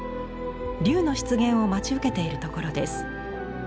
龍の出現を待ち受けているところです。